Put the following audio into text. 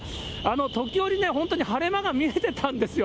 時折ね、本当に晴れ間が見えてたんですよ。